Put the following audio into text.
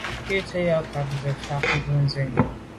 Nkwé ze nkàb zə̄ à fâ’ bû zə̀’nì.